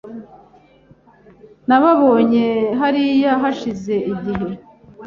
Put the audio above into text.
Nababonye hariya hashize igihe.